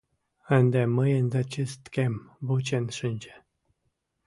Ынде мыйын зачисткем вучен шинче.